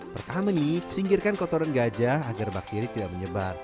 pertama nih singkirkan kotoran gajah agar bakteri tidak menyebar